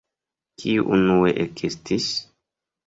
Kiu unue ekestis?